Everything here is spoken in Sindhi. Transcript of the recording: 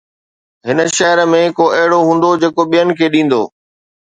هن شهر ۾ ڪو اهڙو هوندو جيڪو ٻين کي ڏيندو؟